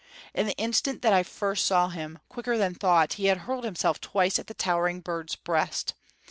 In the instant that I first saw him, quicker than thought he had hurled himself twice at the towering bird's breast.